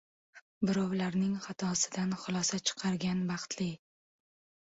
• Birovlarning xatosidan xulosa chiqargan — baxtli.